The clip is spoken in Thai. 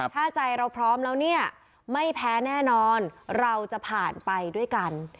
ถ้าใจเราพร้อมแล้วเนี่ยไม่แพ้แน่นอนเราจะผ่านไปด้วยกัน